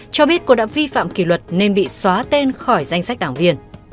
cho biết cô đã vi phạm kỷ luật nên bị xóa tên khỏi danh sách đảng viên